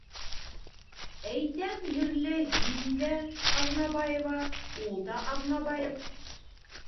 Әйтәм ерле һин дә Аҙнабаева, ул да Аҙнабаев.